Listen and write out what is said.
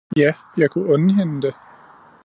ja, jeg kunne unde hende det!